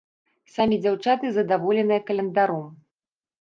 Самі дзяўчаты задаволеныя календаром.